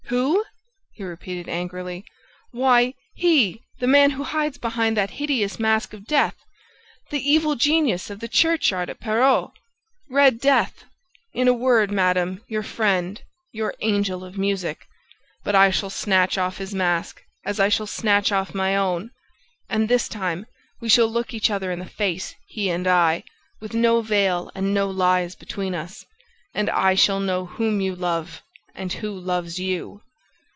"Who?" he repeated angrily. "Why, he, the man who hides behind that hideous mask of death! ... The evil genius of the churchyard at Perros! ... Red Death! ... In a word, madam, your friend ... your Angel of Music! ... But I shall snatch off his mask, as I shall snatch off my own; and, this time, we shall look each other in the face, he and I, with no veil and no lies between us; and I shall know whom you love and who loves you!"